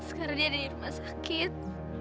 sekarang dia ada di rumah sakit